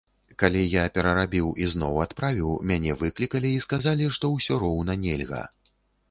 Калі я перарабіў і зноў адправіў, мяне выклікалі і сказалі, што ўсё роўна нельга.